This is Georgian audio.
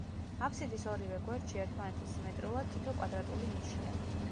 აბსიდის ორივე გვერდში, ერთმანეთის სიმეტრიულად, თითო კვადრატული ნიშია.